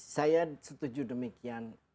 saya setuju demikian